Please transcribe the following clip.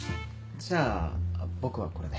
じゃあ僕はこれで。